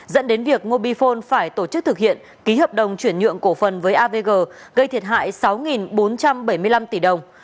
dẫn đến việc mobifone phải tổ chức thực hiện ký hợp đồng chuyển nhượng cổ phần với avg gây thiệt hại sáu bốn trăm bảy mươi năm tỷ đồng